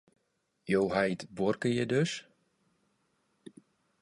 Jo heit buorke hjir dus?